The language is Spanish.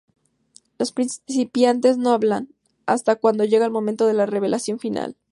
Los participantes no hablan, hasta cuando llega el momento de la revelación final.